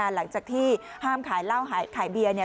หลังจากที่ห้ามขายเหล้าขายเบียร์เนี่ย